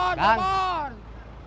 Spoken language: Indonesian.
garut garut garut garut